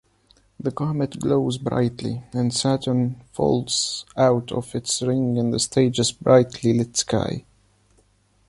The comet glows brightly and Saturn falls out of its ring in the stage's brightly lit sky.